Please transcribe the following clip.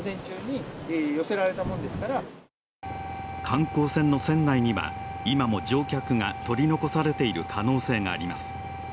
観光船の船内には今も乗客が取り残されている可能性があります。